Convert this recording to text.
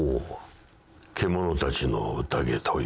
『獣たちの宴』という。